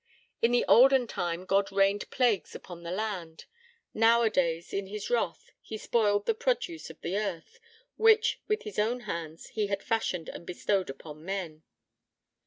In the olden time God rained plagues upon the land: nowadays, in His wrath, He spoiled the produce of the earth, which, with His own hands, He had fashioned and bestowed upon men.